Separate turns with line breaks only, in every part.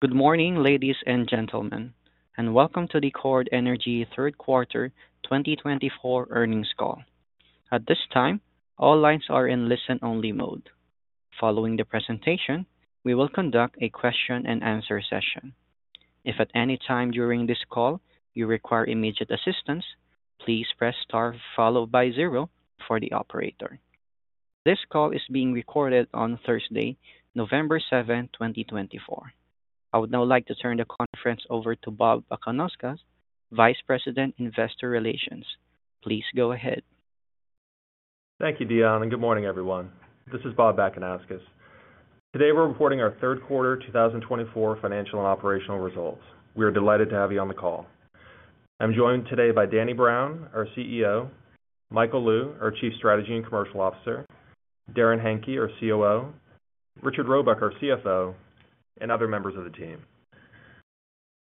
Good morning, ladies and gentlemen, and welcome to the Chord Energy Q3 2024 earnings call. At this time, all lines are in listen-only mode. Following the presentation, we will conduct a question-and-answer session. If at any time during this call you require immediate assistance, please press star zero for the operator. This call is being recorded on Thursday, November 7, 2024. I would now like to turn the conference over to Bob Bakanauskas, Vice President, Investor Relations. Please go ahead.
Thank you, Dion, and good morning, everyone. This is Bob Bakanauskas. Today we're reporting our Q3 2024 financial and operational results. We are delighted to have you on the call. I'm joined today by Danny Brown, our CEO, Michael Lou, our Chief Strategy and Commercial Officer, Darrin Henke, our COO, Richard Robuck, our CFO, and other members of the team.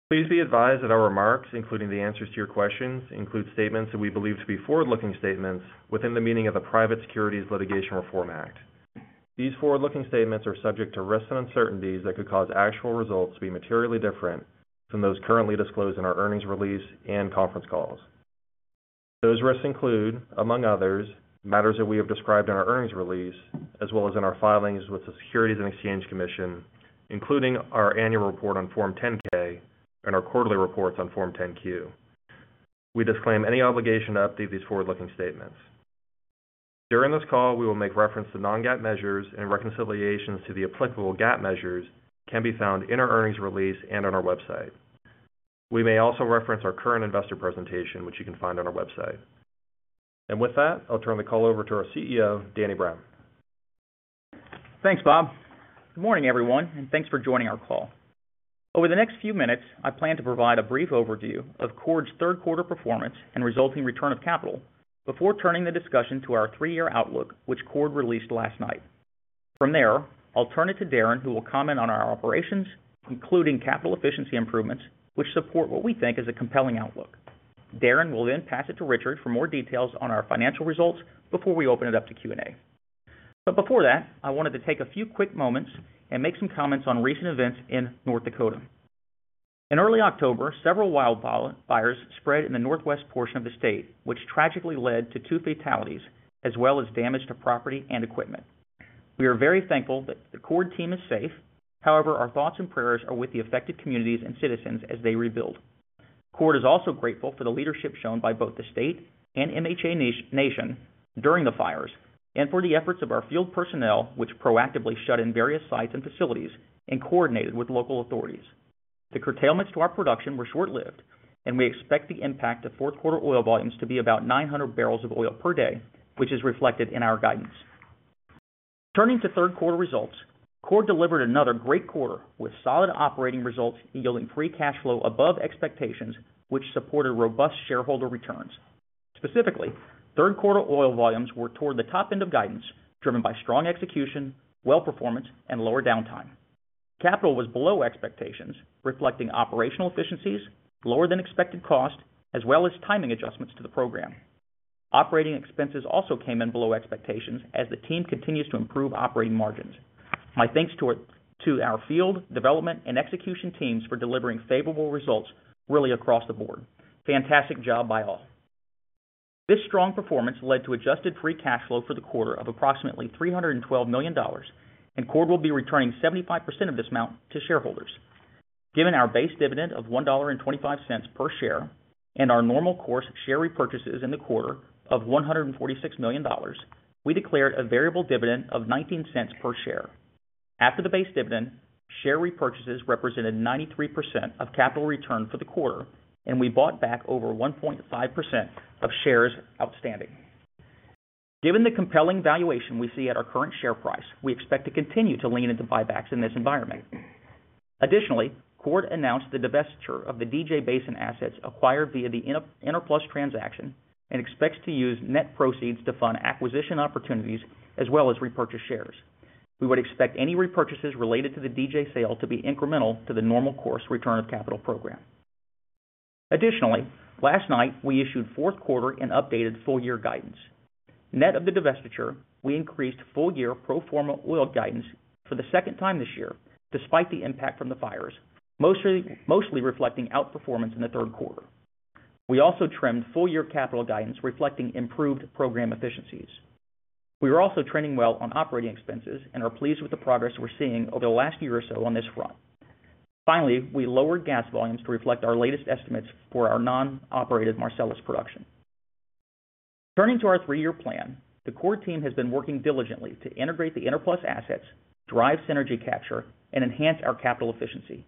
Please be advised that our remarks, including the answers to your questions, include statements that we believe to be forward-looking statements within the meaning of the Private Securities Litigation Reform Act. These forward-looking statements are subject to risks and uncertainties that could cause actual results to be materially different from those currently disclosed in our earnings release and conference calls. Those risks include, among others, matters that we have described in our earnings release, as well as in our filings with the Securities and Exchange Commission, including our annual report on Form 10-K and our quarterly reports on Form 10-Q. We disclaim any obligation to update these forward-looking statements. During this call, we will make reference to non-GAAP measures and reconciliations to the applicable GAAP measures that can be found in our earnings release and on our website. We may also reference our current investor presentation, which you can find on our website, and with that, I'll turn the call over to our CEO, Danny Brown.
Thanks, Bob. Good morning, everyone, and thanks for joining our call. Over the next few minutes, I plan to provide a brief overview of Chord's Q3 performance and resulting return of capital before turning the discussion to our three-year outlook, which Chord released last night. From there, I'll turn it to Darrin, who will comment on our operations, including capital efficiency improvements, which support what we think is a compelling outlook. Darrin will then pass it to Richard for more details on our financial results before we open it up to Q&A. But before that, I wanted to take a few quick moments and make some comments on recent events in North Dakota. In early October, several wildfires spread in the northwest portion of the state, which tragically led to two fatalities as well as damage to property and equipment. We are very thankful that the Chord team is safe. However, our thoughts and prayers are with the affected communities and citizens as they rebuild. Chord is also grateful for the leadership shown by both the state and MHA Nation during the fires and for the efforts of our field personnel, which proactively shut in various sites and facilities and coordinated with local authorities. The curtailments to our production were short-lived, and we expect the impact of Q4 oil volumes to be about 900 barrels of oil per day, which is reflected in our guidance. Turning to Q3 results, Chord delivered another great quarter with solid operating results, yielding free cash flow above expectations, which supported robust shareholder returns. Specifically, Q3 oil volumes were toward the top end of guidance, driven by strong execution, well-performance, and lower downtime. Capital was below expectations, reflecting operational efficiencies, lower-than-expected cost, as well as timing adjustments to the program. Operating expenses also came in below expectations as the team continues to improve operating margins. My thanks to our field, development, and execution teams for delivering favorable results really across the board. Fantastic job by all. This strong performance led to adjusted free cash flow for the quarter of approximately $312 million, and Chord will be returning 75% of this amount to shareholders. Given our base dividend of $1.25 per share and our normal course share repurchases in the quarter of $146 million, we declared a variable dividend of $0.19 per share. After the base dividend, share repurchases represented 93% of capital return for the quarter, and we bought back over 1.5% of shares outstanding. Given the compelling valuation we see at our current share price, we expect to continue to lean into buybacks in this environment. Additionally, Chord announced the divestiture of the DJ Basin assets acquired via the Enerplus transaction and expects to use net proceeds to fund acquisition opportunities as well as repurchase shares. We would expect any repurchases related to the DJ sale to be incremental to the normal course return of capital program. Additionally, last night we issued Q4 and updated full-year guidance. Net of the divestiture, we increased full-year pro forma oil guidance for the second time this year, despite the impact from the fires, mostly reflecting outperformance in the Q3. We also trimmed full-year capital guidance, reflecting improved program efficiencies. We are also trending well on operating expenses and are pleased with the progress we're seeing over the last year or so on this front. Finally, we lowered gas volumes to reflect our latest estimates for our non-operated Marcellus production. Turning to our three-year plan, the Chord team has been working diligently to integrate the Enerplus assets, drive synergy capture, and enhance our capital efficiency.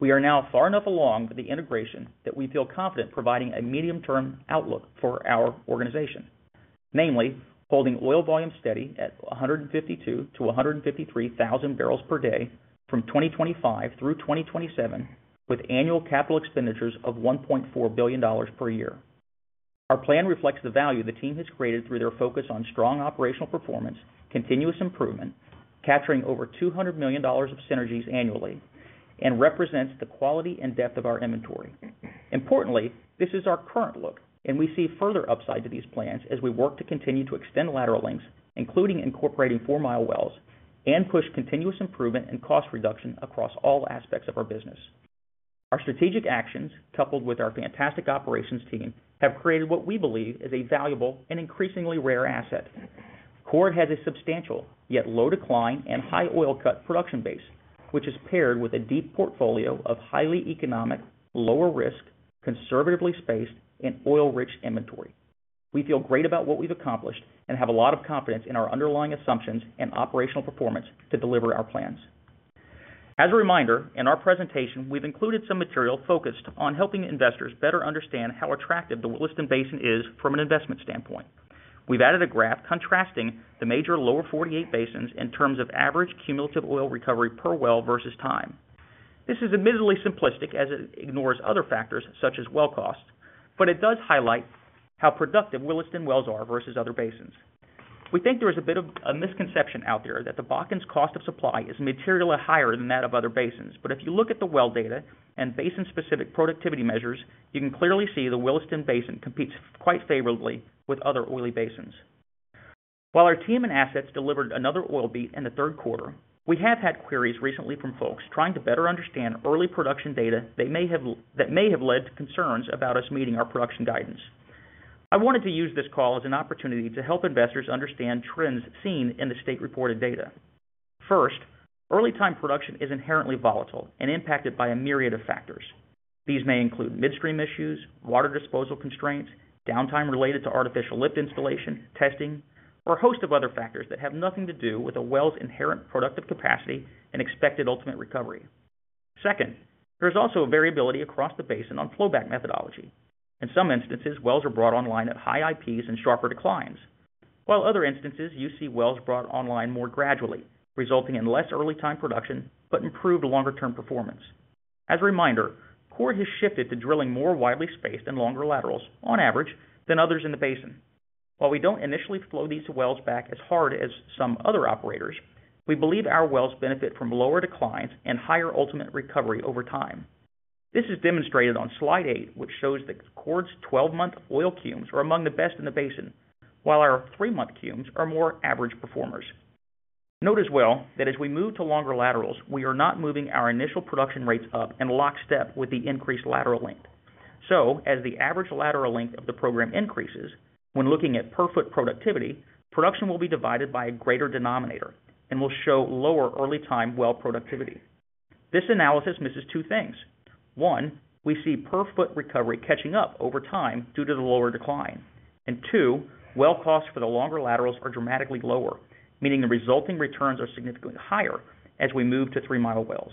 We are now far enough along with the integration that we feel confident providing a medium-term outlook for our organization, namely holding oil volumes steady at 152,000-153,000 barrels per day from 2025 through 2027, with annual capital expenditures of $1.4 billion per year. Our plan reflects the value the team has created through their focus on strong operational performance, continuous improvement, capturing over $200 million of synergies annually, and represents the quality and depth of our inventory. Importantly, this is our current look, and we see further upside to these plans as we work to continue to extend lateral lengths, including incorporating four-mile wells, and push continuous improvement and cost reduction across all aspects of our business. Our strategic actions, coupled with our fantastic operations team, have created what we believe is a valuable and increasingly rare asset. Chord has a substantial yet low decline and high oil cut production base, which is paired with a deep portfolio of highly economic, lower-risk, conservatively spaced, and oil-rich inventory. We feel great about what we've accomplished and have a lot of confidence in our underlying assumptions and operational performance to deliver our plans. As a reminder, in our presentation, we've included some material focused on helping investors better understand how attractive the Williston Basin is from an investment standpoint. We've added a graph contrasting the major lower 48 basins in terms of average cumulative oil recovery per well versus time. This is admittedly simplistic as it ignores other factors such as well cost, but it does highlight how productive Williston wells are versus other basins. We think there is a bit of a misconception out there that the Bakken's cost of supply is materially higher than that of other basins, but if you look at the well data and basin-specific productivity measures, you can clearly see the Williston Basin competes quite favorably with other oily basins. While our team and assets delivered another oil beat in the Q3, we have had queries recently from folks trying to better understand early production data that may have led to concerns about us meeting our production guidance. I wanted to use this call as an opportunity to help investors understand trends seen in the state reported data. First, early-time production is inherently volatile and impacted by a myriad of factors. These may include midstream issues, water disposal constraints, downtime related to artificial lift installation, testing, or a host of other factors that have nothing to do with a well's inherent productive capacity and expected ultimate recovery. Second, there is also variability across the basin on flowback methodology. In some instances, wells are brought online at high IPs and sharper declines, while in other instances, you see wells brought online more gradually, resulting in less early-time production but improved longer-term performance. As a reminder, Chord has shifted to drilling more widely spaced and longer laterals, on average, than others in the basin. While we don't initially flow these wells back as hard as some other operators, we believe our wells benefit from lower declines and higher ultimate recovery over time. This is demonstrated on slide 8, which shows that Chord's 12-month oil cums are among the best in the basin, while our three-month cums are more average performers. Note as well that as we move to longer laterals, we are not moving our initial production rates up in lockstep with the increased lateral length. So, as the average lateral length of the program increases, when looking at per-foot productivity, production will be divided by a greater denominator and will show lower early-time well productivity. This analysis misses two things: one, we see per-foot recovery catching up over time due to the lower decline, and two, well costs for the longer laterals are dramatically lower, meaning the resulting returns are significantly higher as we move to three-mile wells.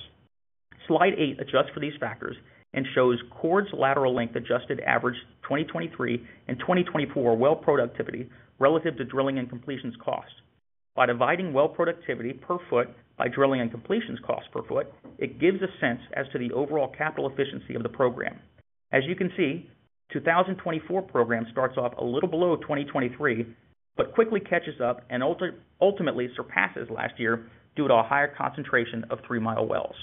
Slide 8 adjusts for these factors and shows Chord's lateral length adjusted average 2023 and 2024 well productivity relative to drilling and completions cost. By dividing well productivity per foot by drilling and completions cost per foot, it gives a sense as to the overall capital efficiency of the program. As you can see, the 2024 program starts off a little below 2023 but quickly catches up and ultimately surpasses last year due to a higher concentration of three-mile wells.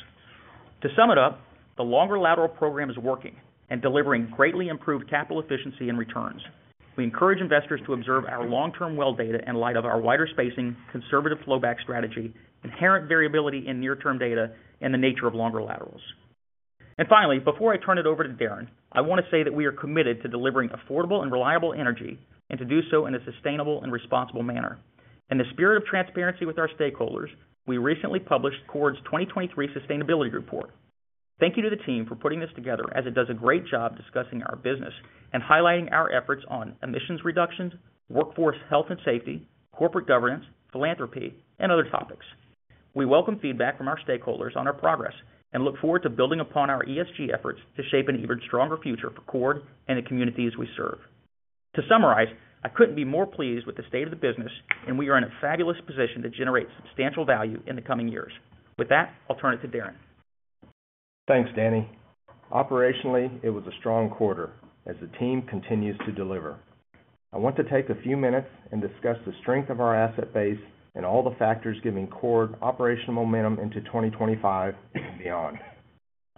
To sum it up, the longer lateral program is working and delivering greatly improved capital efficiency and returns. We encourage investors to observe our long-term well data in light of our wider spacing, conservative flowback strategy, inherent variability in near-term data, and the nature of longer laterals. And finally, before I turn it over to Darrin, I want to say that we are committed to delivering affordable and reliable energy and to do so in a sustainable and responsible manner. In the spirit of transparency with our stakeholders, we recently published Chord's 2023 sustainability report. Thank you to the team for putting this together as it does a great job discussing our business and highlighting our efforts on emissions reductions, workforce health and safety, corporate governance, philanthropy, and other topics. We welcome feedback from our stakeholders on our progress and look forward to building upon our ESG efforts to shape an even stronger future for Chord and the communities we serve. To summarize, I couldn't be more pleased with the state of the business, and we are in a fabulous position to generate substantial value in the coming years. With that, I'll turn it to Darrin.
Thanks, Danny. Operationally, it was a strong quarter as the team continues to deliver. I want to take a few minutes and discuss the strength of our asset base and all the factors giving Chord operational momentum into 2025 and beyond.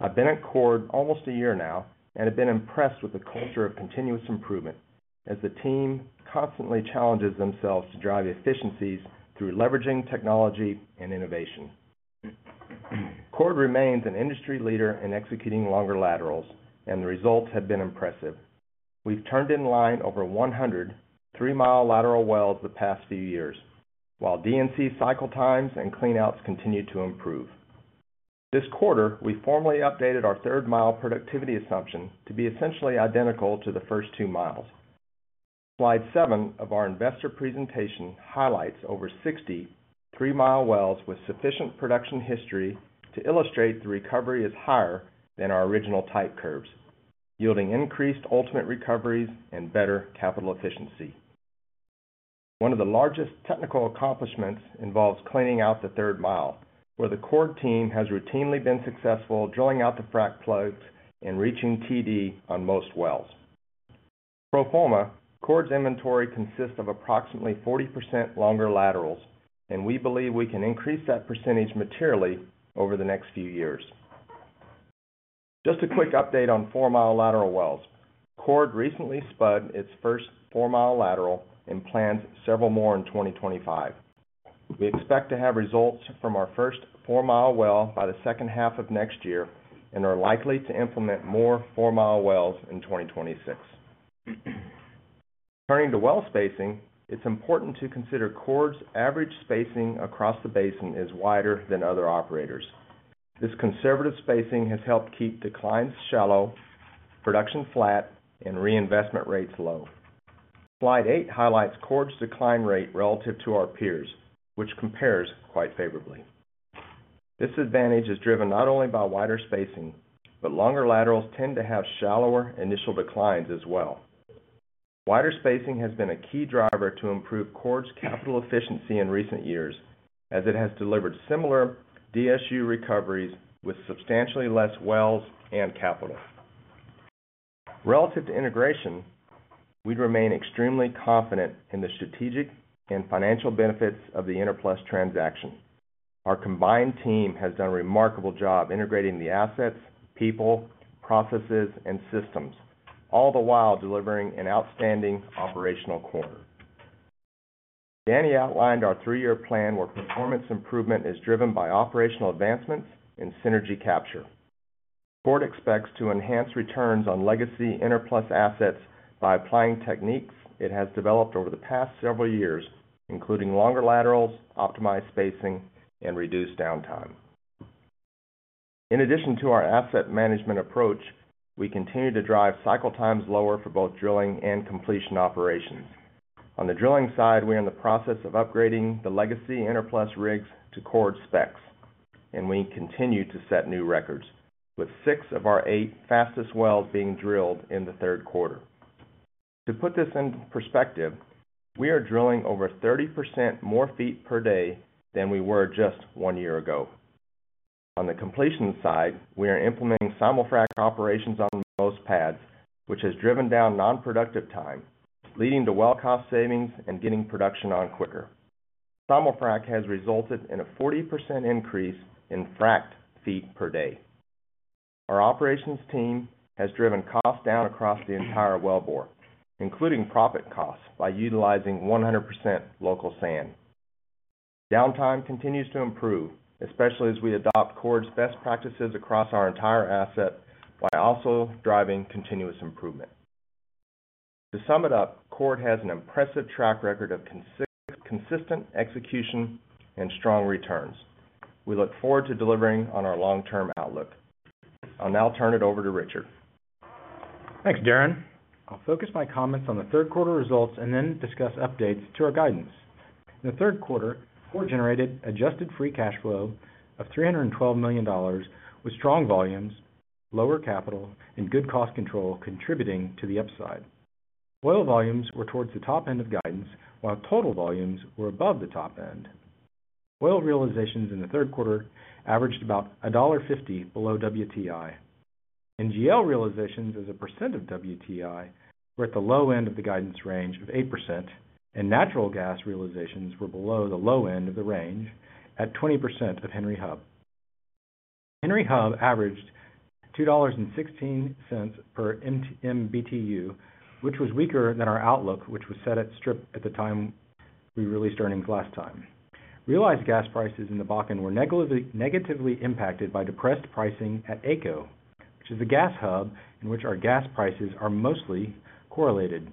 I've been at Chord almost a year now and have been impressed with the culture of continuous improvement as the team constantly challenges themselves to drive efficiencies through leveraging technology and innovation. Chord remains an industry leader in executing longer laterals, and the results have been impressive. We've turned in line over 100 3-mile lateral wells the past few years, while D&C cycle times and clean-outs continue to improve. This quarter, we formally updated our third-mile productivity assumption to be essentially identical to the first 2 mi. Slide 7 of our investor presentation highlights over 60 3-mile wells with sufficient production history to illustrate the recovery is higher than our original type curves, yielding increased ultimate recoveries and better capital efficiency. One of the largest technical accomplishments involves cleaning out the third mile, where the Chord team has routinely been successful drilling out the frac plugs and reaching TD on most wells. Pro forma, Chord's inventory consists of approximately 40% longer laterals, and we believe we can increase that percentage materially over the next few years. Just a quick update on 4-mile lateral wells: Chord recently spud its first 4-mile lateral and plans several more in 2025. We expect to have results from our first 4-mile well by the second half of next year and are likely to implement more 4-mile wells in 2026. Turning to well spacing, it's important to consider Chord's average spacing across the basin is wider than other operators. This conservative spacing has helped keep declines shallow, production flat, and reinvestment rates low. Slide 8 highlights Chord's decline rate relative to our peers, which compares quite favorably. This advantage is driven not only by wider spacing, but longer laterals tend to have shallower initial declines as well. Wider spacing has been a key driver to improve Chord's capital efficiency in recent years as it has delivered similar DSU recoveries with substantially less wells and capital. Relative to integration, we remain extremely confident in the strategic and financial benefits of the Enerplus transaction. Our combined team has done a remarkable job integrating the assets, people, processes, and systems, all the while delivering an outstanding operational quarter. Danny outlined our three-year plan where performance improvement is driven by operational advancements and synergy capture. Chord expects to enhance returns on legacy Enerplus assets by applying techniques it has developed over the past several years, including longer laterals, optimized spacing, and reduced downtime. In addition to our asset management approach, we continue to drive cycle times lower for both drilling and completion operations. On the drilling side, we are in the process of upgrading the legacy Enerplus rigs to Chord specs, and we continue to set new records, with six of our eight fastest wells being drilled in the Q3. To put this in perspective, we are drilling over 30% more feet per day than we were just one year ago. On the completion side, we are implementing simul frac operations on most pads, which has driven down non-productive time, leading to well cost savings and getting production on quicker. Simul frac has resulted in a 40% increase in frac feet per day. Our operations team has driven costs down across the entire wellbore, including proppant costs, by utilizing 100% local sand. Downtime continues to improve, especially as we adopt Chord's best practices across our entire asset while also driving continuous improvement. To sum it up, Chord has an impressive track record of consistent execution and strong returns. We look forward to delivering on our long-term outlook. I'll now turn it over to Richard.
Thanks, Darrin. I'll focus my comments on the Q3 results and then discuss updates to our guidance. In the Q3, Chord generated adjusted free cash flow of $312 million with strong volumes, lower capital, and good cost control contributing to the upside. Oil volumes were towards the top end of guidance, while total volumes were above the top end. Oil realizations in the Q3 averaged about $1.50 below WTI. NGL realizations as a percent of WTI were at the low end of the guidance range of 8%, and natural gas realizations were below the low end of the range at 20% of Henry Hub. Henry Hub averaged $2.16 per MMBtu, which was weaker than our outlook, which was set at strip at the time we released earnings last time. Realized gas prices in the Bakken were negatively impacted by depressed pricing at AECO, which is the gas hub in which our gas prices are mostly correlated.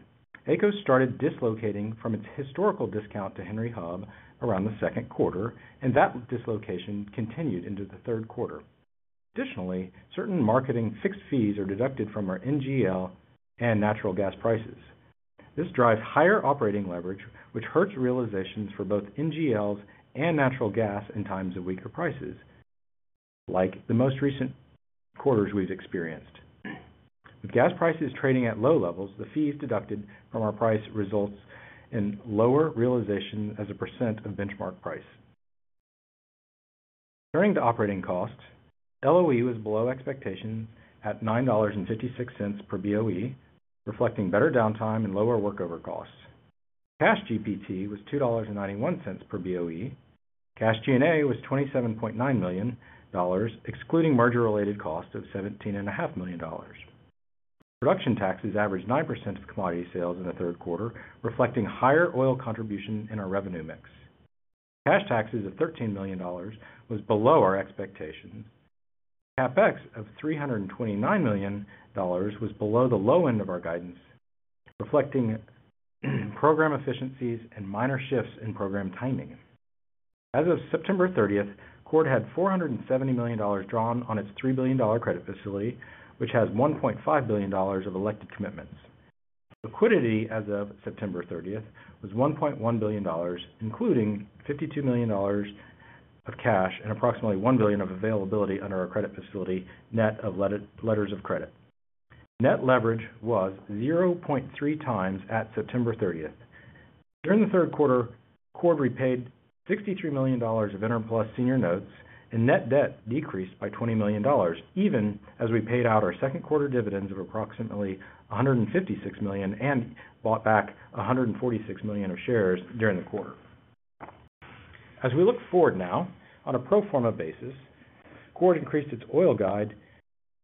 AECO started dislocating from its historical discount to Henry Hub around the Q2, and that dislocation continued into the Q3. Additionally, certain marketing fixed fees are deducted from our NGL and natural gas prices. This drives higher operating leverage, which hurts realizations for both NGLs and natural gas in times of weaker prices, like the most recent quarters we've experienced. With gas prices trading at low levels, the fees deducted from our price result in lower realization as a % of benchmark price. Turning to operating costs, LOE was below expectation at $9.56 per BOE, reflecting better downtime and lower workover costs. Cash GPT was $2.91 per BOE. Cash G&A was $27.9 million, excluding merger-related cost of $17.5 million. Production taxes averaged 9% of commodity sales in the Q3, reflecting higher oil contribution in our revenue mix. Cash taxes of $13 million was below our expectations. CapEx of $329 million was below the low end of our guidance, reflecting program efficiencies and minor shifts in program timing. As of September 30th, Chord had $470 million drawn on its $3 billion credit facility, which has $1.5 billion of elected commitments. Liquidity as of September 30th was $1.1 billion, including $52 million of cash and approximately $1 billion of availability under our credit facility net of letters of credit. Net leverage was 0.3 times at September 30. During the Q3, Chord repaid $63 million of Enerplus senior notes, and net debt decreased by $20 million, even as we paid out our Q2 dividends of approximately $156 million and bought back $146 million of shares during the quarter. As we look forward now, on a pro forma basis, Chord increased its oil guide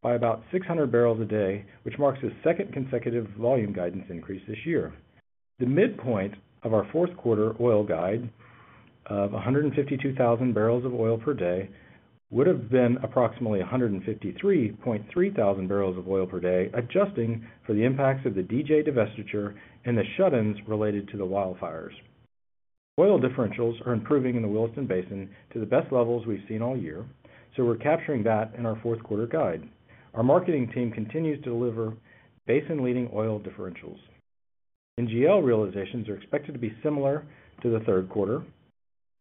by about 600 barrels a day, which marks its second consecutive volume guidance increase this year. The midpoint of our Q4 oil guide of 152,000 barrels of oil per day would have been approximately 153.3 thousand barrels of oil per day, adjusting for the impacts of the DJ Basin divestiture and the shut-ins related to the wildfires. Oil differentials are improving in the Williston Basin to the best levels we've seen all year, so we're capturing that in our Q4 guide. Our marketing team continues to deliver basin-leading oil differentials. NGL realizations are expected to be similar to the Q3,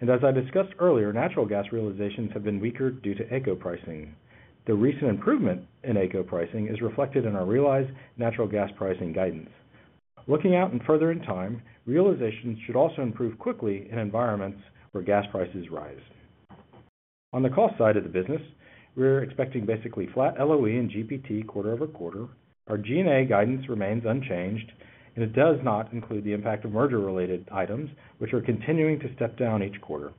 and as I discussed earlier, natural gas realizations have been weaker due to AECO pricing. The recent improvement in AECO pricing is reflected in our realized natural gas pricing guidance. Looking out and further in time, realizations should also improve quickly in environments where gas prices rise. On the cost side of the business, we're expecting basically flat LOE and GPT quarter-over-quarter. Our G&A guidance remains unchanged, and it does not include the impact of merger-related items, which are continuing to step down each quarter.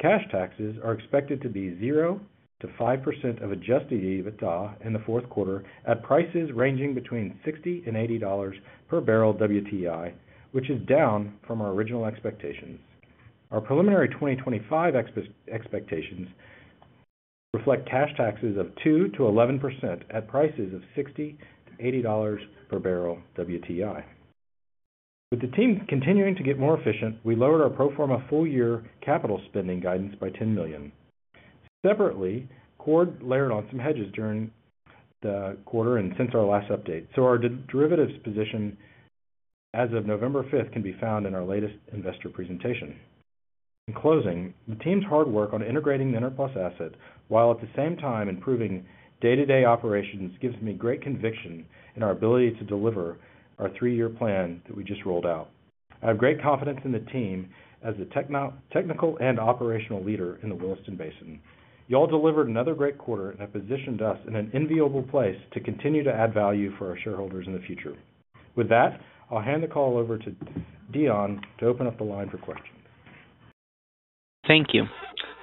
Cash taxes are expected to be 0%-5% of adjusted EBITDA in the Q4 at prices ranging between $60 and $80 per barrel WTI, which is down from our original expectations. Our preliminary 2025 expectations reflect cash taxes of 2%-11% at prices of $60-$80 per barrel WTI. With the team continuing to get more efficient, we lowered our pro forma full-year capital spending guidance by $10 million. Separately, Chord layered on some hedges during the Q4 and since our last update, so our derivatives position as of November 5th can be found in our latest investor presentation. In closing, the team's hard work on integrating the Enerplus asset while at the same time improving day-to-day operations gives me great conviction in our ability to deliver our three-year plan that we just rolled out. I have great confidence in the team as the technical and operational leader in the Williston Basin. You all delivered another great quarter and have positioned us in an enviable place to continue to add value for our shareholders in the future. With that, I'll hand the call over to Dion to open up the line for questions.
Thank you.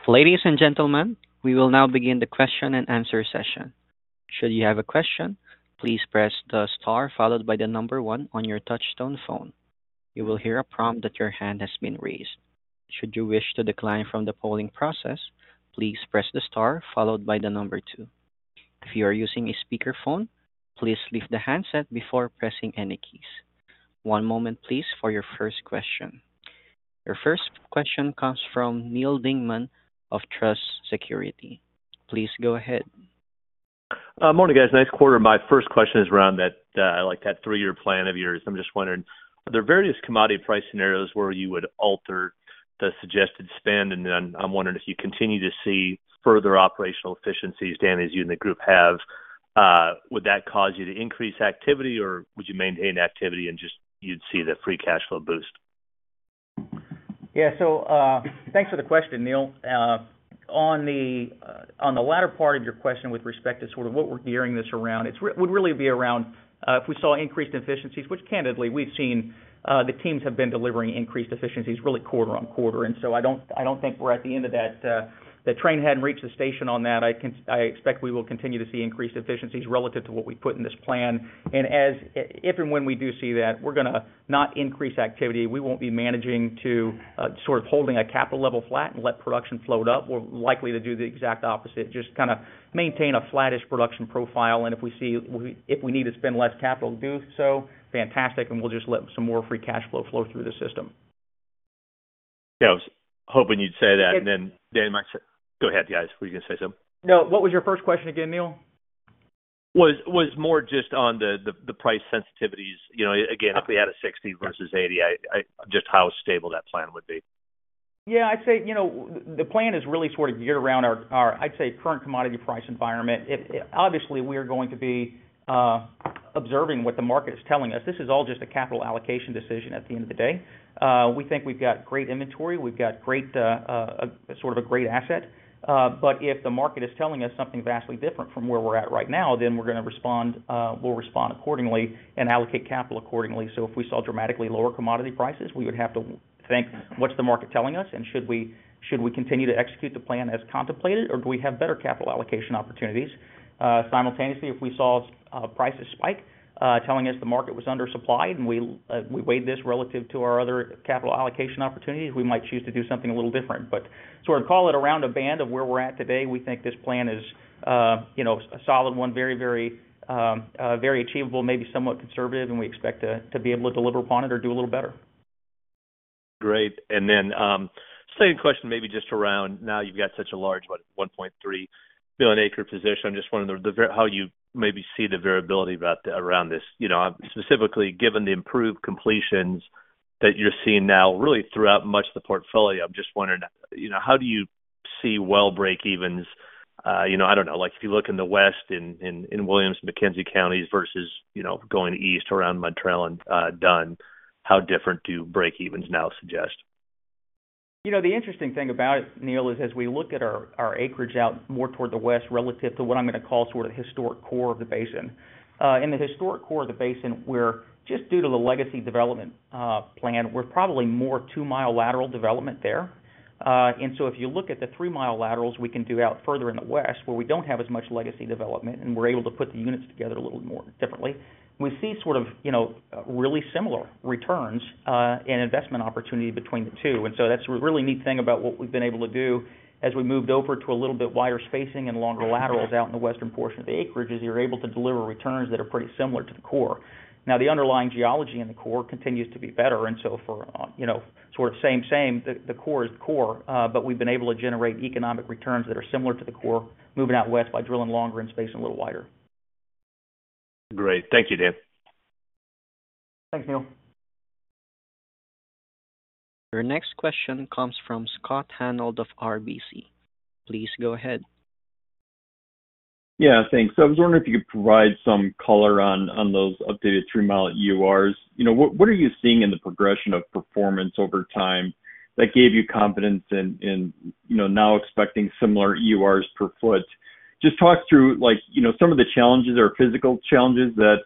Ladies and gentlemen, we will now begin the question and answer session. Should you have a question, please press the star followed by the number one on your touch-tone phone. You will hear a prompt that your hand has been raised. Should you wish to decline from the polling process, please press the star followed by the number two. If you are using a speakerphone, please lift the handset before pressing any keys. One moment, please, for your first question. Your first question comes from Neal Dingmann of Truist Securities. Please go ahead.
Morning, guys. Nice quarter. My first question is around that, like that three-year plan of yours. I'm just wondering, are there various commodity price scenarios where you would alter the suggested spend? And then I'm wondering if you continue to see further operational efficiencies, Danny, as you and the group have, would that cause you to increase activity, or would you maintain activity and just you'd see the free cash flow boost?
Yeah, so thanks for the question, Neal. On the latter part of your question with respect to sort of what we're gearing this around, it would really be around if we saw increased efficiencies, which candidly, we've seen the teams have been delivering increased efficiencies really quarter on quarter. And so I don't think we're at the end of that. The train hadn't reached the station on that. I expect we will continue to see increased efficiencies relative to what we put in this plan. And if and when we do see that, we're going to not increase activity. We won't be managing to sort of holding a capital level flat and let production float up. We're likely to do the exact opposite, just kind of maintain a flattish production profile. If we need to spend less capital to do so, fantastic, and we'll just let some more free cash flow flow through the system.
Yeah, I was hoping you'd say that. And then, Danny, Mike, go ahead, guys. Were you going to say something?
No, what was your first question again, Neal?
Was more just on the price sensitivities. Again, if we had a $60 versus $80, just how stable that plan would be.
Yeah, I'd say the plan is really sort of geared around our, I'd say, current commodity price environment. Obviously, we are going to be observing what the market is telling us. This is all just a capital allocation decision at the end of the day. We think we've got great inventory. We've got sort of a great asset. But if the market is telling us something vastly different from where we're at right now, then we're going to respond. We'll respond accordingly and allocate capital accordingly. So if we saw dramatically lower commodity prices, we would have to think, what's the market telling us? And should we continue to execute the plan as contemplated, or do we have better capital allocation opportunities? Simultaneously, if we saw prices spike telling us the market was undersupplied and we weighed this relative to our other capital allocation opportunities, we might choose to do something a little different, but sort of call it around a band of where we're at today. We think this plan is a solid one, very, very achievable, maybe somewhat conservative, and we expect to be able to deliver upon it or do a little better.
Great. And then second question, maybe just around now you've got such a large 1.3-million-acre position. I'm just wondering how you maybe see the variability around this. Specifically, given the improved completions that you're seeing now really throughout much of the portfolio, I'm just wondering, how do you see well break-evens? I don't know, like if you look in the west in Williams, McKenzie counties versus going east around Mountrail and Dunn, how different do break-evens now suggest?
You know, the interesting thing about it, Neal, is as we look at our acreage out more toward the west relative to what I'm going to call sort of the historic core of the basin. In the historic core of the basin, we're just due to the legacy development plan, we're probably more two-mile lateral development there. And so if you look at the three-mile laterals we can do out further in the west where we don't have as much legacy development and we're able to put the units together a little more differently, we see sort of really similar returns and investment opportunity between the two. And so that's a really neat thing about what we've been able to do as we moved over to a little bit wider spacing and longer laterals out in the western portion of the acreage, is you're able to deliver returns that are pretty similar to the core. Now, the underlying geology in the core continues to be better. And so for sort of same same, the core is core, but we've been able to generate economic returns that are similar to the core moving out west by drilling longer and spacing a little wider.
Great. Thank you, Dan.
Thanks, Neal.
Your next question comes from Scott Hanold of RBC. Please go ahead.
Yeah, thanks. I was wondering if you could provide some color on those updated three-mile EURs. What are you seeing in the progression of performance over time that gave you confidence in now expecting similar EURs per foot? Just talk through some of the challenges or physical challenges that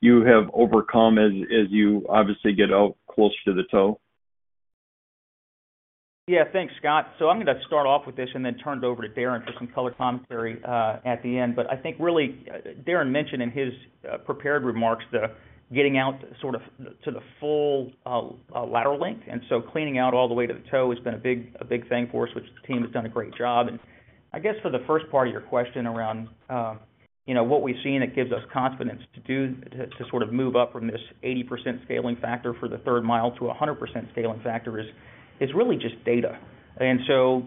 you have overcome as you obviously get closer to the toe?
Yeah, thanks, Scott. So I'm going to start off with this and then turn it over to Darrin for some color commentary at the end. But I think really Darrin mentioned in his prepared remarks the getting out sort of to the full lateral length. And so cleaning out all the way to the toe has been a big thing for us, which the team has done a great job. And I guess for the first part of your question around what we've seen that gives us confidence to sort of move up from this 80% scaling factor for the third mile to 100% scaling factor is really just data. And so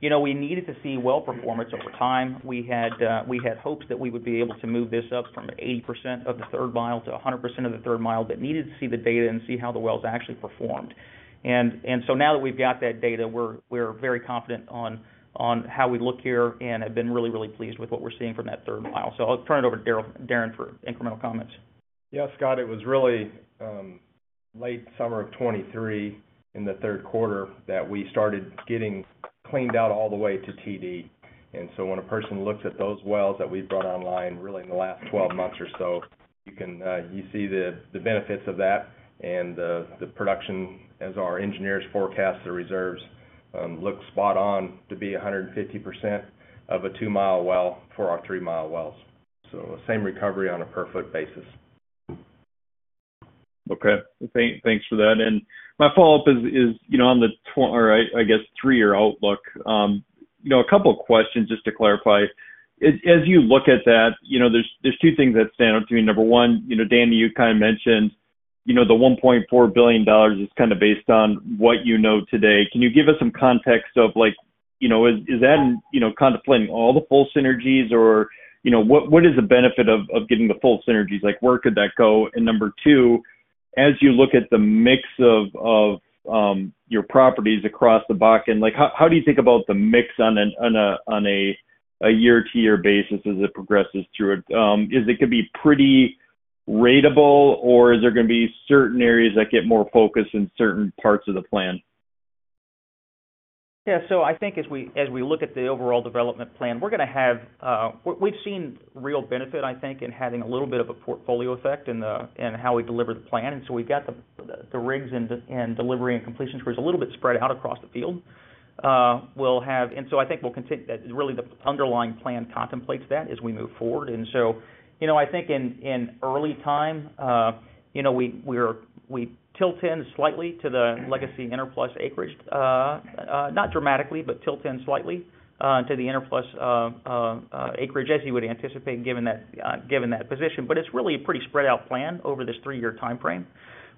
we needed to see well performance over time. We had hopes that we would be able to move this up from 80% of the third mile to 100% of the third mile, but needed to see the data and see how the wells actually performed, and so now that we've got that data, we're very confident on how we look here and have been really, really pleased with what we're seeing from that third mile, so I'll turn it over to Darrin for incremental comments.
Yeah, Scott, it was really late summer of 2023 in the third quarter that we started getting cleaned out all the way to TD. And so when a person looks at those wells that we've brought online really in the last 12 months or so, you see the benefits of that and the production, as our engineers forecast the reserves, look spot on to be 150% of a two-mile well for our three-mile wells. So same recovery on a per foot basis.
Okay. Thanks for that. And my follow-up is on the, or I guess, three-year outlook. A couple of questions just to clarify. As you look at that, there's two things that stand out to me. Number one, Danny, you kind of mentioned the $1.4 billion is kind of based on what you know today. Can you give us some context of is that contemplating all the full synergies or what is the benefit of getting the full synergies? Where could that go? And number two, as you look at the mix of your properties across the Bakken, how do you think about the mix on a year-to-year basis as it progresses through it? Is it going to be pretty ratable, or is there going to be certain areas that get more focus in certain parts of the plan?
Yeah, so I think as we look at the overall development plan, we're going to have, we've seen real benefit, I think, in having a little bit of a portfolio effect in how we deliver the plan. And so we've got the rigs and drilling and completion crews a little bit spread out across the field. And so I think we'll continue that. Really the underlying plan contemplates that as we move forward. And so I think in early time, we tilt in slightly to the legacy Enerplus acreage, not dramatically, but tilt in slightly to the Enerplus acreage as you would anticipate given that position. But it's really a pretty spread out plan over this three-year timeframe.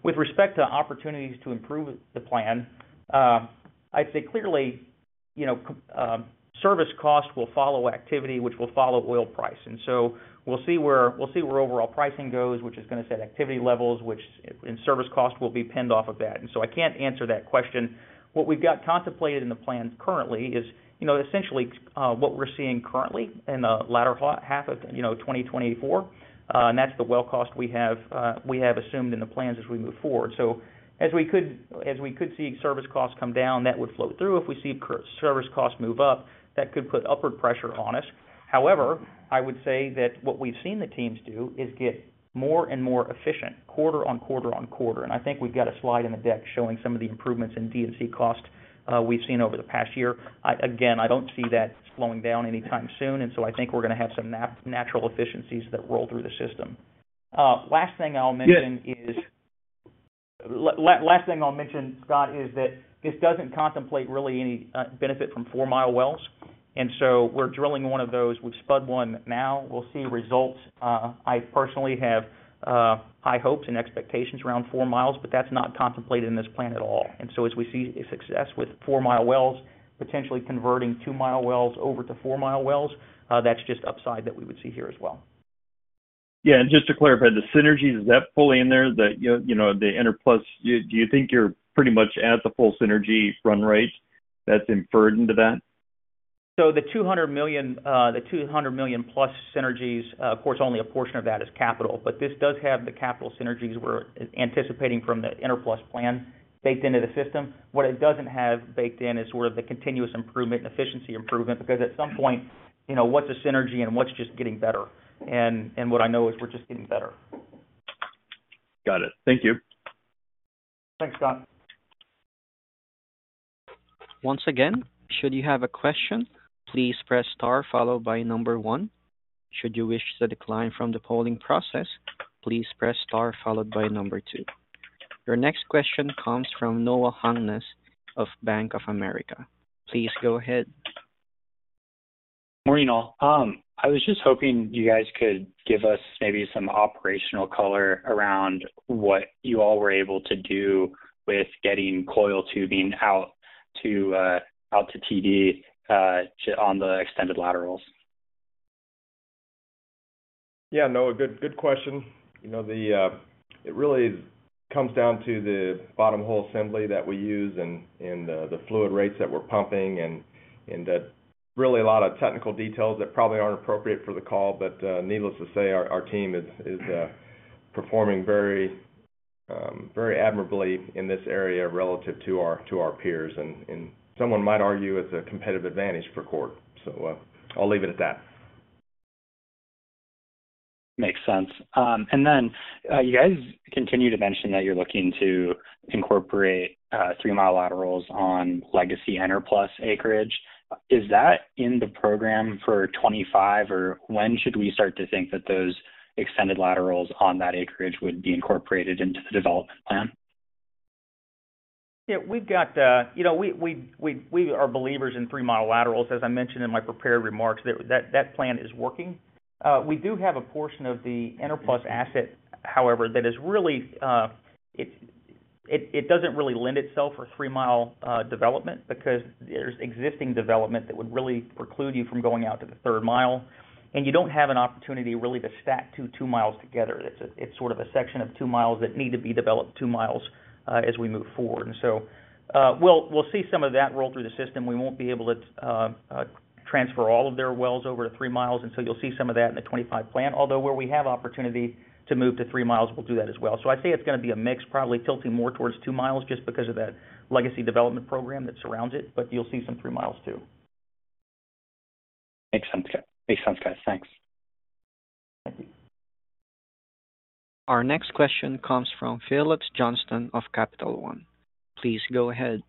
With respect to opportunities to improve the plan, I'd say clearly service cost will follow activity, which will follow oil price. We'll see where overall pricing goes, which is going to set activity levels, which service cost will be pinned off of that. I can't answer that question. What we've got contemplated in the plan currently is essentially what we're seeing currently in the latter half of 2024, and that's the well cost we have assumed in the plans as we move forward. As we could see service costs come down, that would float through. If we see service costs move up, that could put upward pressure on us. However, I would say that what we've seen the teams do is get more and more efficient quarter on quarter on quarter. I think we've got a slide in the deck showing some of the improvements in D&C cost we've seen over the past year. Again, I don't see that slowing down anytime soon. And so I think we're going to have some natural efficiencies that roll through the system. Last thing I'll mention, Scott, is that this doesn't contemplate really any benefit from four-mile wells. And so we're drilling one of those. We've spudded one now. We'll see results. I personally have high hopes and expectations around four miles, but that's not contemplated in this plan at all. And so as we see success with four-mile wells, potentially converting two-mile wells over to four-mile wells, that's just upside that we would see here as well.
Yeah, and just to clarify, the synergies, is that fully in there that the Enerplus, do you think you're pretty much at the full synergy run rate that's inferred into that?
So the $200 million plus synergies, of course, only a portion of that is capital. But this does have the capital synergies we're anticipating from the Enerplus plan baked into the system. What it doesn't have baked in is sort of the continuous improvement and efficiency improvement because at some point, what's a synergy and what's just getting better? And what I know is we're just getting better.
Got it. Thank you.
Thanks, Scott.
Once again, should you have a question, please press star followed by number one. Should you wish to decline from the polling process, please press star followed by number two. Your next question comes from Noah Hungness of Bank of America. Please go ahead.
Morning, all. I was just hoping you guys could give us maybe some operational color around what you all were able to do with getting coiled tubing out to TD on the extended laterals?
Yeah, no, good question. It really comes down to the bottom hole assembly that we use and the fluid rates that we're pumping and really a lot of technical details that probably aren't appropriate for the call. But needless to say, our team is performing very admirably in this area relative to our peers. And someone might argue it's a competitive advantage for Chord. So I'll leave it at that.
Makes sense. And then you guys continue to mention that you're looking to incorporate three-mile laterals on legacy Enerplus acreage. Is that in the program for 2025, or when should we start to think that those extended laterals on that acreage would be incorporated into the development plan?
Yeah, we are believers in three-mile laterals. As I mentioned in my prepared remarks, that plan is working. We do have a portion of the Enerplus asset, however, that is really it doesn't really lend itself for three-mile development because there's existing development that would really preclude you from going out to the third mile. And you don't have an opportunity really to stack two miles together. It's sort of a section of two miles that need to be developed two miles as we move forward. And so we'll see some of that roll through the system. We won't be able to transfer all of their wells over to three miles. And so you'll see some of that in the 2025 plan. Although where we have opportunity to move to three miles, we'll do that as well. So I say it's going to be a mix, probably tilting more towards two miles just because of that legacy development program that surrounds it. But you'll see some three miles too.
Makes sense. Makes sense, guys. Thanks.
Thank you.
Our next question comes from Phillips Johnston of Capital One. Please go ahead.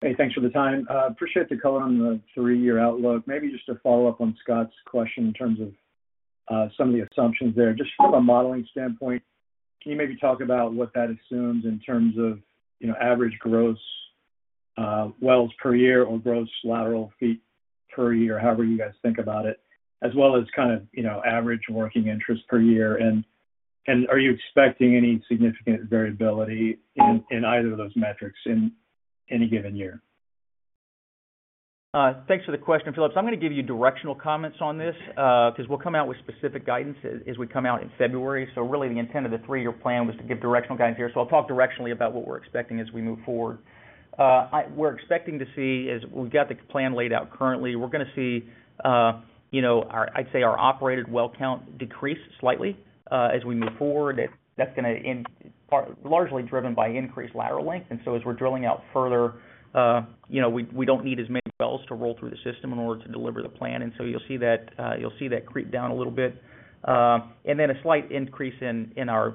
Hey, thanks for the time. Appreciate the color on the three-year outlook. Maybe just to follow up on Scott's question in terms of some of the assumptions there. Just from a modeling standpoint, can you maybe talk about what that assumes in terms of average gross wells per year or gross lateral feet per year, however you guys think about it, as well as kind of average working interest per year? And are you expecting any significant variability in either of those metrics in any given year?
Thanks for the question, Phillips. I'm going to give you directional comments on this because we'll come out with specific guidance as we come out in February. Really the intent of the three-year plan was to give directional guidance here. I'll talk directionally about what we're expecting as we move forward. We're expecting to see as we've got the plan laid out currently, we're going to see, I'd say, our operated well count decrease slightly as we move forward. That's going to be largely driven by increased lateral length. As we're drilling out further, we don't need as many wells to roll through the system in order to deliver the plan. You'll see that creep down a little bit. Then a slight increase in our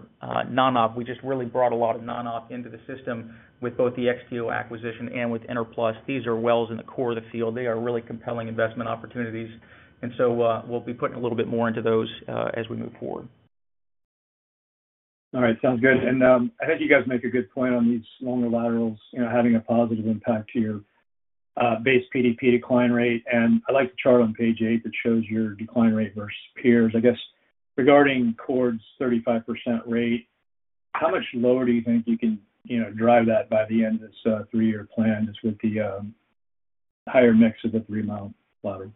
non-op. We just really brought a lot of non-op into the system with both the XTO acquisition and with Enerplus. These are wells in the core of the field. They are really compelling investment opportunities, and so we'll be putting a little bit more into those as we move forward.
All right. Sounds good. And I think you guys make a good point on these longer laterals having a positive impact to your base PDP decline rate. And I like the chart on page eight that shows your decline rate versus peers. I guess regarding Chord's 35% rate, how much lower do you think you can drive that by the end of this three-year plan that's with the higher mix of the three-mile laterals?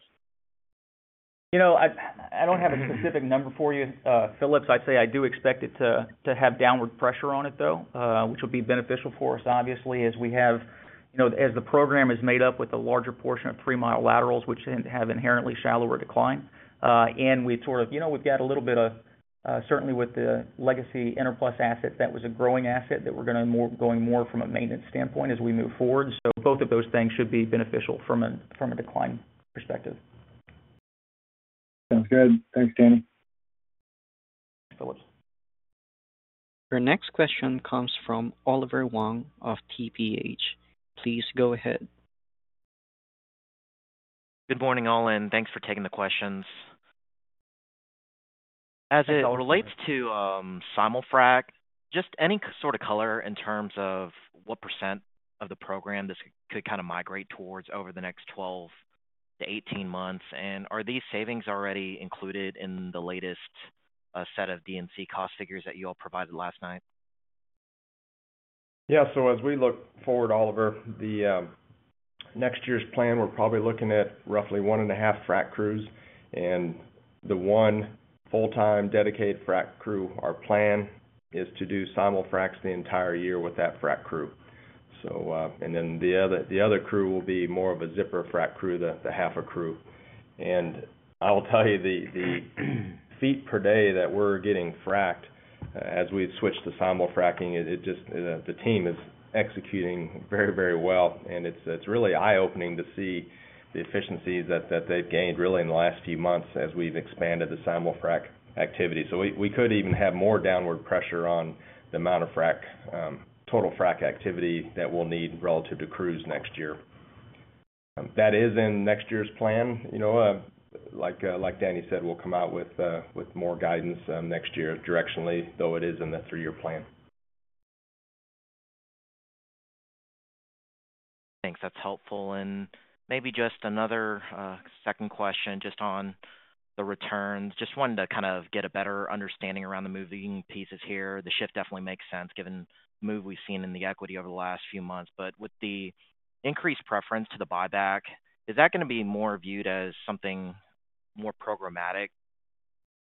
I don't have a specific number for you, Phillips. I'd say I do expect it to have downward pressure on it though, which would be beneficial for us, obviously, as the program is made up with a larger portion of three-mile laterals, which have inherently shallower decline. And we've sort of got a little bit of certainty with the legacy Enerplus assets, that was a growing asset that we're going to be going more to a maintenance standpoint as we move forward. So both of those things should be beneficial from a decline perspective.
Sounds good. Thanks, Danny.
Thanks, Phillips.
Your next question comes from Oliver Huang of TPH. Please go ahead.
Good morning, all, and thanks for taking the questions. As it relates to simul-frac, just any sort of color in terms of what % of the program this could kind of migrate towards over the next 12-18 months? And are these savings already included in the latest set of D&C cost figures that you all provided last night?
Yeah. So as we look forward, Oliver, the next year's plan, we're probably looking at roughly one and a half frac crews and the one full-time dedicated frac crew. Our plan is to do simul-fracs the entire year with that frac crew. And then the other crew will be more of a zipper frac crew, the half a crew. And I'll tell you the feet per day that we're getting fracked as we switch to simul-fracking, the team is executing very, very well. And it's really eye-opening to see the efficiencies that they've gained really in the last few months as we've expanded the simul-frac activity. So we could even have more downward pressure on the amount of frac total frac activity that we'll need relative to crews next year. That is in next year's plan. Like Danny said, we'll come out with more guidance next year directionally, though it is in the three-year plan.
Thanks. That's helpful. And maybe just another second question just on the returns. Just wanted to kind of get a better understanding around the moving pieces here. The shift definitely makes sense given the move we've seen in the equity over the last few months. But with the increased preference to the buyback, is that going to be more viewed as something more programmatic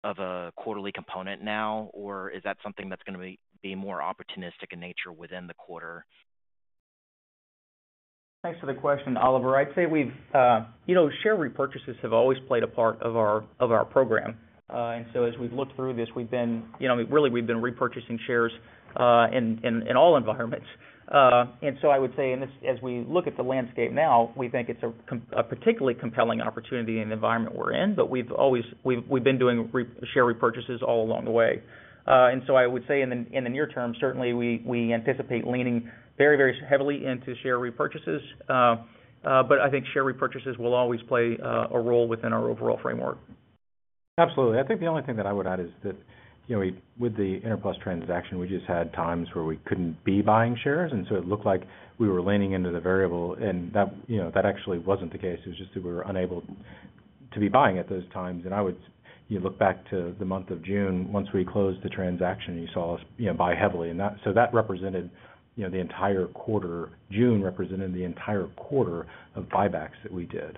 of a quarterly component now, or is that something that's going to be more opportunistic in nature within the quarter?
Thanks for the question, Oliver. I'd say share repurchases have always played a part of our program. And so as we've looked through this, we've been really repurchasing shares in all environments. And so I would say, as we look at the landscape now, we think it's a particularly compelling opportunity in the environment we're in, but we've been doing share repurchases all along the way. And so I would say in the near term, certainly we anticipate leaning very, very heavily into share repurchases. But I think share repurchases will always play a role within our overall framework.
Absolutely. I think the only thing that I would add is that with the Enerplus transaction, we just had times where we couldn't be buying shares. And so it looked like we were leaning into the variable. And that actually wasn't the case. It was just that we were unable to be buying at those times. And I would look back to the month of June. Once we closed the transaction, you saw us buy heavily. And so that represented the entire quarter. June represented the entire quarter of buybacks that we did.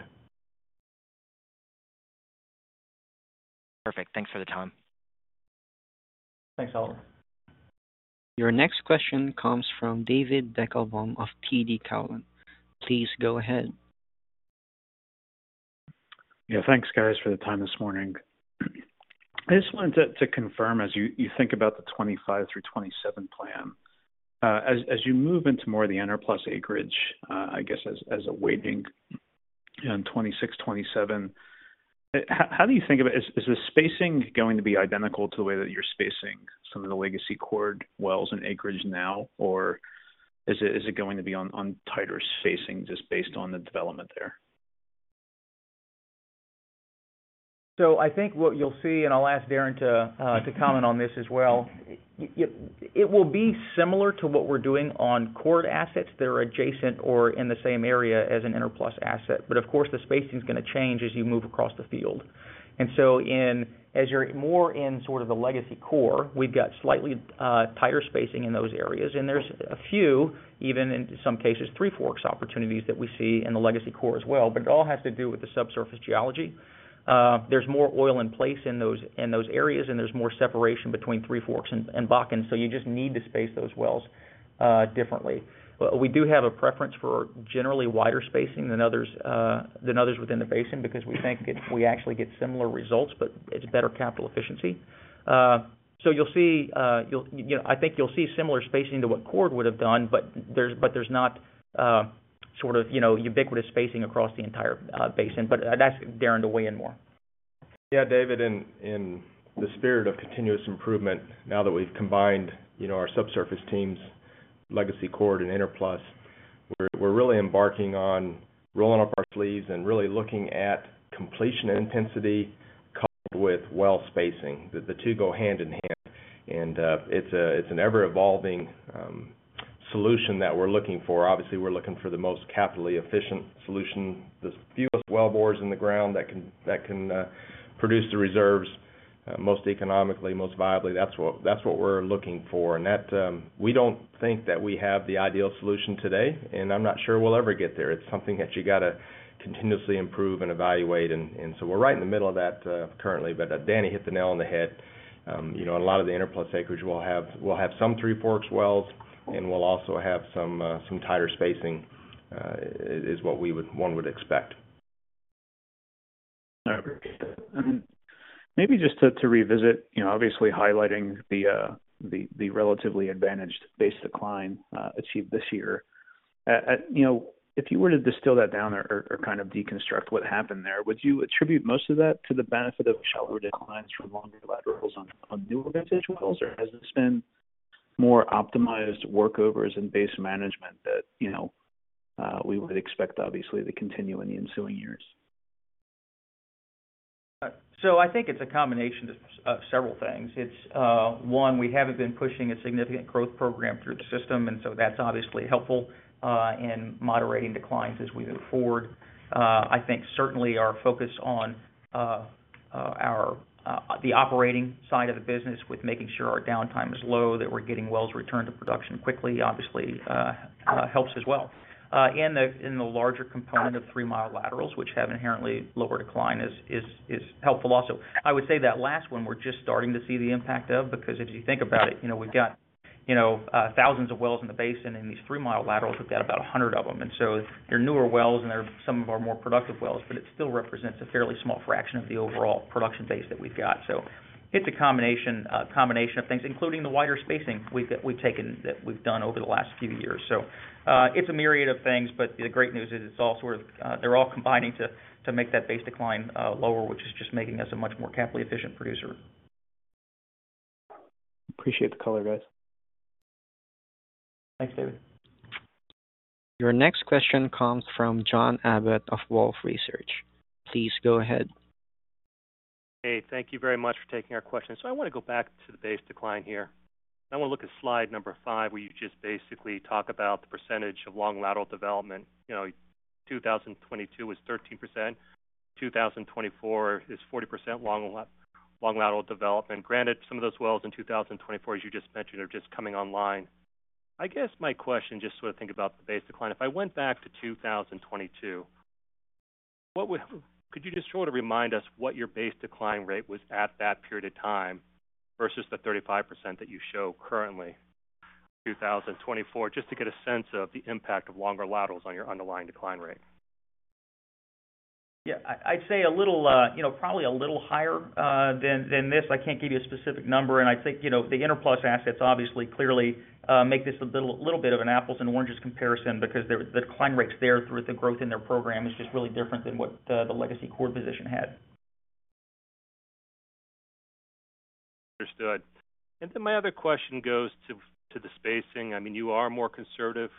Perfect. Thanks for the time.
Thanks, Oliver.
Your next question comes from David Deckelbaum of TD Cowen. Please go ahead.
Yeah. Thanks, guys, for the time this morning. I just wanted to confirm as you think about the 2025 through 2027 plan, as you move into more of the Enerplus acreage, I guess as awaiting 2026, 2027, how do you think about is the spacing going to be identical to the way that you're spacing some of the legacy Chord wells and acreage now, or is it going to be on tighter spacing just based on the development there?
So I think what you'll see, and I'll ask Darrin to comment on this as well. It will be similar to what we're doing on Chord assets that are adjacent or in the same area as an Enerplus asset. But of course, the spacing is going to change as you move across the field. And so as you're more in sort of the legacy core, we've got slightly tighter spacing in those areas. And there's a few, even in some cases, Three Forks opportunities that we see in the legacy core as well. But it all has to do with the subsurface geology. There's more oil in place in those areas, and there's more separation between Three Forks and Bakken. So you just need to space those wells differently. We do have a preference for generally wider spacing than others within the basin because we think we actually get similar results, but it's better capital efficiency. So you'll see I think you'll see similar spacing to what Chord would have done, but there's not sort of ubiquitous spacing across the entire basin. But I'd ask Darrin to weigh in more.
Yeah, David, in the spirit of continuous improvement, now that we've combined our subsurface teams, legacy Chord, and Enerplus, we're really embarking on rolling up our sleeves and really looking at completion intensity coupled with well spacing. The two go hand in hand, and it's an ever-evolving solution that we're looking for. Obviously, we're looking for the most capital efficient solution, the fewest well bores in the ground that can produce the reserves most economically, most viably. That's what we're looking for, and we don't think that we have the ideal solution today, and I'm not sure we'll ever get there. It's something that you got to continuously improve and evaluate, and so we're right in the middle of that currently, but Danny hit the nail on the head. A lot of the Enerplus acreage will have some Three Forks wells, and we'll also have some tighter spacing, is what one would expect.
All right. Perfect. And maybe just to revisit, obviously highlighting the relatively advantaged base decline achieved this year. If you were to distill that down or kind of deconstruct what happened there, would you attribute most of that to the benefit of shallower declines from longer laterals on newer vintage wells, or has this been more optimized workovers and base management that we would expect, obviously, to continue in the ensuing years?
So I think it's a combination of several things. One, we haven't been pushing a significant growth program through the system, and so that's obviously helpful in moderating declines as we move forward. I think certainly our focus on the operating side of the business with making sure our downtime is low, that we're getting wells returned to production quickly, obviously helps as well. And the larger component of three-mile laterals, which have inherently lower decline, is helpful also. I would say that last one we're just starting to see the impact of because if you think about it, we've got thousands of wells in the basin, and in these three-mile laterals, we've got about 100 of them. And so they're newer wells, and they're some of our more productive wells, but it still represents a fairly small fraction of the overall production base that we've got. So it's a combination of things, including the wider spacing we've done over the last few years. So it's a myriad of things, but the great news is it's all sort of they're all combining to make that base decline lower, which is just making us a much more capital efficient producer.
Appreciate the color, guys.
Thanks, David.
Your next question comes from John Abbott of Wolfe Research. Please go ahead.
Hey, thank you very much for taking our questions. So I want to go back to the base decline here. I want to look at slide number five where you just basically talk about the percentage of long lateral development. 2022 was 13%. 2024 is 40% long lateral development. Granted, some of those wells in 2024, as you just mentioned, are just coming online. I guess my question just sort of think about the base decline. If I went back to 2022, could you just sort of remind us what your base decline rate was at that period of time versus the 35% that you show currently in 2024, just to get a sense of the impact of longer laterals on your underlying decline rate?
Yeah. I'd say probably a little higher than this. I can't give you a specific number. And I think the Enerplus assets obviously clearly make this a little bit of an apples and oranges comparison because the decline rates there through the growth in their program is just really different than what the legacy Chord position had.
Understood. And then my other question goes to the spacing. I mean, you are more conservative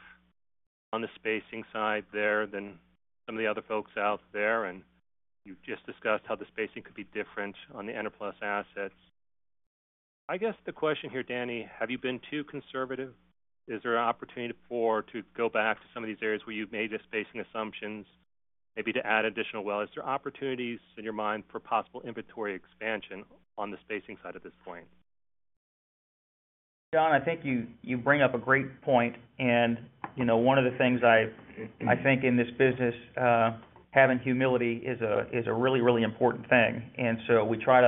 on the spacing side there than some of the other folks out there. And you just discussed how the spacing could be different on the Enerplus assets. I guess the question here, Danny: have you been too conservative? Is there an opportunity for to go back to some of these areas where you've made the spacing assumptions, maybe to add additional wells? Is there opportunities in your mind for possible inventory expansion on the spacing side at this point?
John, I think you bring up a great point. And one of the things I think in this business, having humility is a really, really important thing. And so we try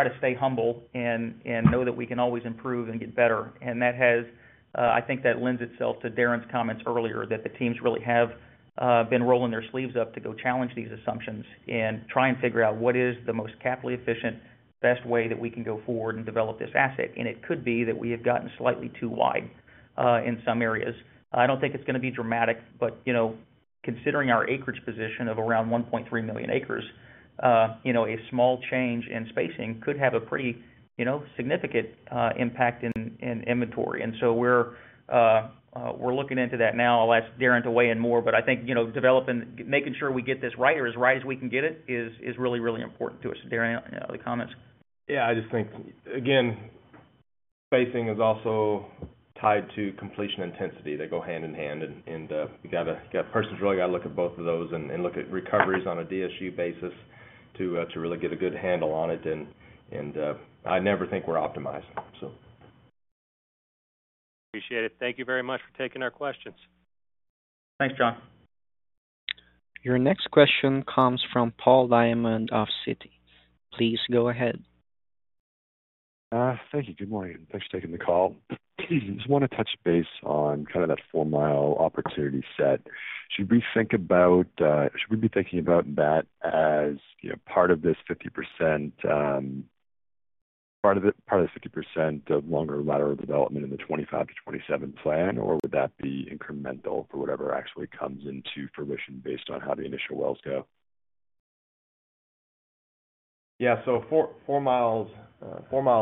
to stay humble and know that we can always improve and get better. And I think that lends itself to Darrin's comments earlier that the teams really have been rolling their sleeves up to go challenge these assumptions and try and figure out what is the most capital efficient best way that we can go forward and develop this asset. And it could be that we have gotten slightly too wide in some areas. I don't think it's going to be dramatic, but considering our acreage position of around 1.3 million acres, a small change in spacing could have a pretty significant impact in inventory. And so we're looking into that now. I'll ask Darrin to weigh in more. But I think making sure we get this right or as right as we can get it is really, really important to us. Darrin and other comments?
Yeah. I just think, again, spacing is also tied to completion intensity. They go hand in hand. And you've got to. A person really has got to look at both of those and look at recoveries on a DSU basis to really get a good handle on it. And I never think we're optimized, so.
Appreciate it. Thank you very much for taking our questions.
Thanks, John.
Your next question comes from Paul Diamond of Citi. Please go ahead.
Thank you. Good morning. Thanks for taking the call. I just want to touch base on kind of that four-mile opportunity set. Should we be thinking about that as part of this 50% part of the 50% of longer lateral development in the 2025 to 2027 plan, or would that be incremental for whatever actually comes into fruition based on how the initial wells go?
Yeah, so four-mile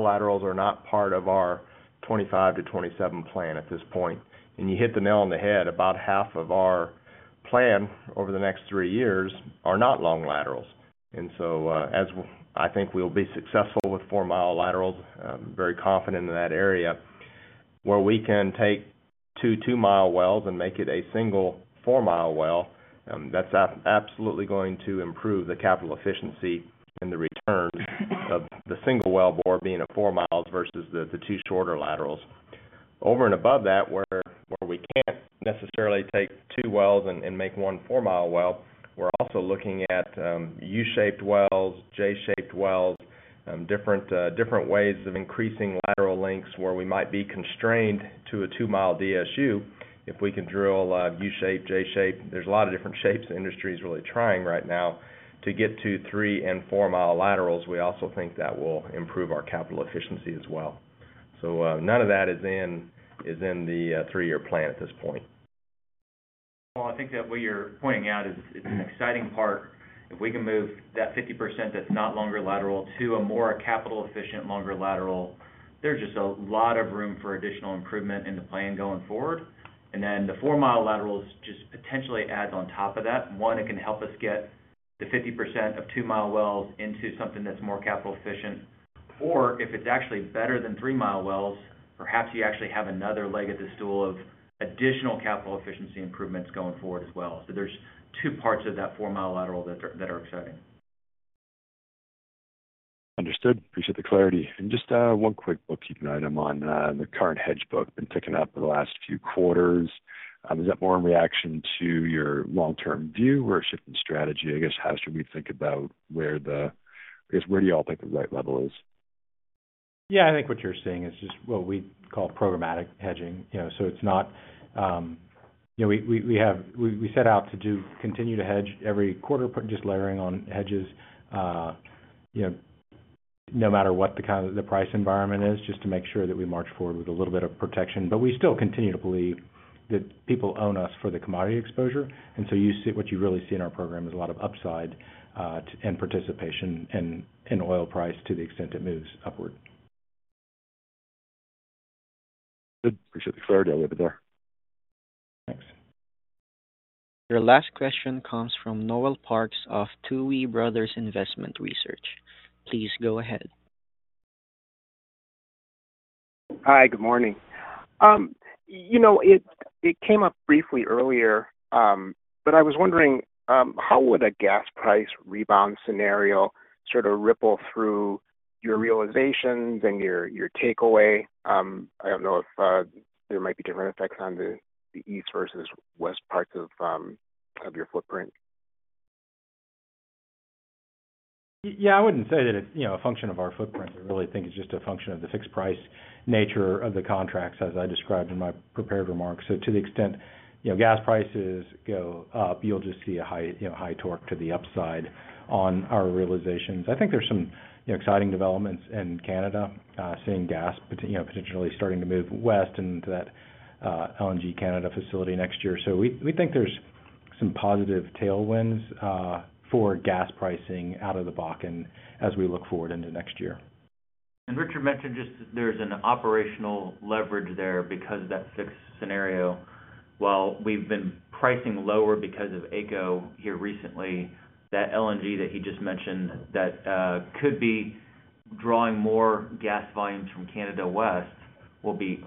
laterals are not part of our 2025 to 2027 plan at this point, and you hit the nail on the head. About half of our plan over the next three years are not long laterals, and so I think we'll be successful with four-mile laterals. I'm very confident in that area. Where we can take two two-mile wells and make it a single four-mile well, that's absolutely going to improve the capital efficiency and the return of the single wellbore being at four miles versus the two shorter laterals. Over and above that, where we can't necessarily take two wells and make one four-mile well, we're also looking at U-shaped wells, J-shaped wells, different ways of increasing lateral lengths where we might be constrained to a two-mile DSU. If we can drill U-shape, J-shape, there's a lot of different shapes the industry is really trying right now to get to three and four-mile laterals. We also think that will improve our capital efficiency as well, so none of that is in the three-year plan at this point.
I think that what you're pointing out is it's an exciting part. If we can move that 50% that's not longer lateral to a more capital efficient longer lateral, there's just a lot of room for additional improvement in the plan going forward. And then the four-mile laterals just potentially add on top of that. One, it can help us get the 50% of two-mile wells into something that's more capital efficient. Or if it's actually better than three-mile wells, perhaps you actually have another leg at the stool of additional capital efficiency improvements going forward as well. So there's two parts of that four-mile lateral that are exciting.
Understood. Appreciate the clarity. And just one quick bookkeeping item on the current hedge book been picking up in the last few quarters. Is that more in reaction to your long-term view or shifting strategy? I guess, how should we think about where do you all think the right level is?
Yeah. I think what you're seeing is just what we call programmatic hedging. So it's not we set out to continue to hedge every quarter, just layering on hedges no matter what the price environment is, just to make sure that we march forward with a little bit of protection. But we still continue to believe that people own us for the commodity exposure. And so what you really see in our program is a lot of upside and participation in oil price to the extent it moves upward.
Good. Appreciate the clarity. I'll leave it there.
Thanks.
Your last question comes from Noel Parks of Tuohy Brothers Investment Research. Please go ahead.
Hi. Good morning. It came up briefly earlier, but I was wondering how would a gas price rebound scenario sort of ripple through your realizations and your takeaway? I don't know if there might be different effects on the east versus west parts of your footprint.
Yeah. I wouldn't say that it's a function of our footprint. I really think it's just a function of the fixed price nature of the contracts, as I described in my prepared remarks. So to the extent gas prices go up, you'll just see a high torque to the upside on our realizations. I think there's some exciting developments in Canada seeing gas potentially starting to move west into that LNG Canada facility next year. So we think there's some positive tailwinds for gas pricing out of the Bakken as we look forward into next year.
And Richard mentioned just that there's an operational leverage there because of that fixed scenario. While we've been pricing lower because of AECO here recently, that LNG that he just mentioned that could be drawing more gas volumes from Canada west will be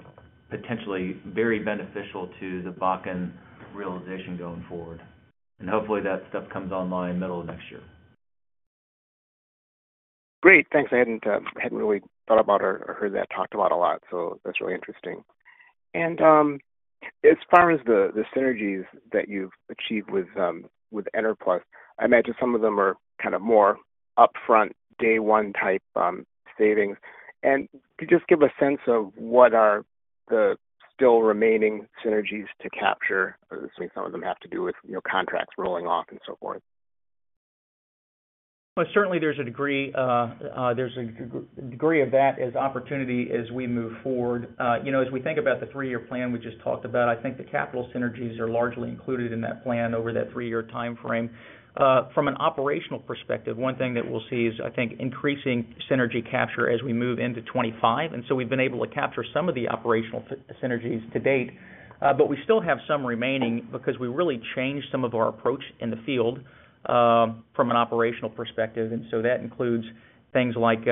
potentially very beneficial to the Bakken realization going forward. And hopefully, that stuff comes online middle of next year.
Great. Thanks. I hadn't really thought about or heard that talked about a lot. So that's really interesting. And as far as the synergies that you've achieved with Enerplus, I imagine some of them are kind of more upfront day-one type savings. And could you just give a sense of what are the still remaining synergies to capture? Some of them have to do with contracts rolling off and so forth.
Certainly, there's a degree of that as opportunity as we move forward. As we think about the three-year plan we just talked about, I think the capital synergies are largely included in that plan over that three-year time frame. From an operational perspective, one thing that we'll see is, I think, increasing synergy capture as we move into 2025. And so we've been able to capture some of the operational synergies to date, but we still have some remaining because we really changed some of our approach in the field from an operational perspective. And so that includes things like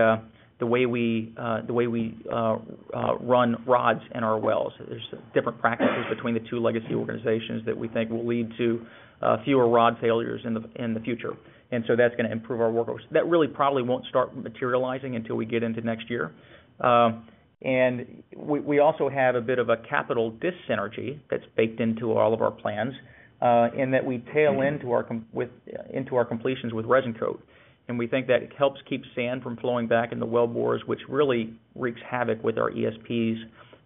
the way we run rods in our wells. There's different practices between the two legacy organizations that we think will lead to fewer rod failures in the future. And so that's going to improve our workload. That really probably won't start materializing until we get into next year. And we also have a bit of a capital D&C synergy that's baked into all of our plans and that we tie into our completions with resin coat. And we think that helps keep sand from flowing back in the wellbores, which really wreaks havoc with our ESPs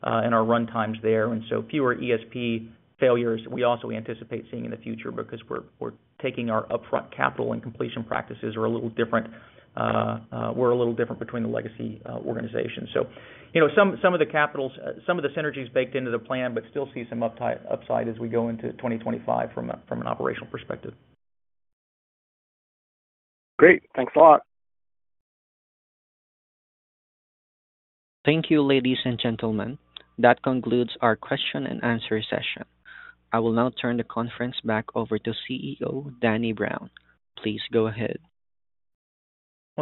and our run times there. And so fewer ESP failures we also anticipate seeing in the future because our upfront capital and completion practices are a little different. We're a little different between the legacy organizations. So some of the capex, some of the synergies baked into the plan, but still see some upside as we go into 2025 from an operational perspective.
Great. Thanks a lot.
Thank you, ladies and gentlemen. That concludes our question and answer session. I will now turn the conference back over to CEO Danny Brown. Please go ahead.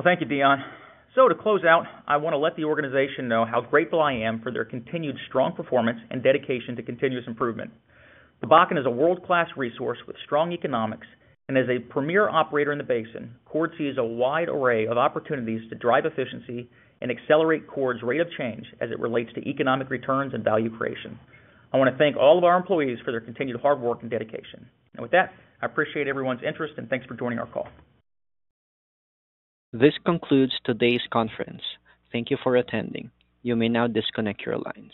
Thank you, Dion. To close out, I want to let the organization know how grateful I am for their continued strong performance and dedication to continuous improvement. The Bakken is a world-class resource with strong economics and as a premier operator in the basin, Chord sees a wide array of opportunities to drive efficiency and accelerate Chord's rate of change as it relates to economic returns and value creation. I want to thank all of our employees for their continued hard work and dedication. With that, I appreciate everyone's interest and thanks for joining our call.
This concludes today's conference. Thank you for attending. You may now disconnect your lines.